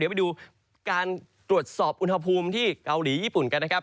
ไปดูการตรวจสอบอุณหภูมิที่เกาหลีญี่ปุ่นกันนะครับ